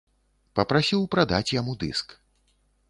Папрасіў прадаць яму дыск.